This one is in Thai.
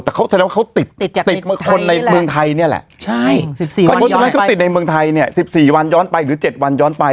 แต่เขาแสดงว่าเขาติดติดคนในเมืองไทยเนี่ยแหละเพราะฉะนั้นก็ติดในเมืองไทยเนี่ย๑๔วันย้อนไปหรือ๗วันย้อนไป